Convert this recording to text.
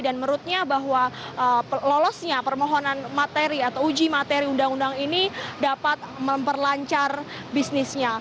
menurutnya bahwa lolosnya permohonan materi atau uji materi undang undang ini dapat memperlancar bisnisnya